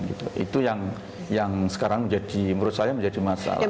itu yang sekarang menurut saya menjadi masalah